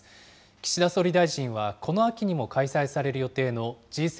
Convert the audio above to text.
岸田総理大臣はこの秋にも開催される予定のＧ７